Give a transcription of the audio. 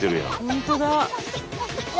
本当だ。